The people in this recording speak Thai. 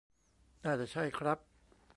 น่าจะใช่ครับ